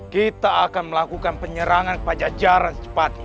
kita akan melakukan penyerangan pada jajaran secepatnya